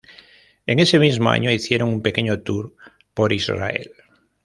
En ese mismo año hicieron un pequeño tour por Israel.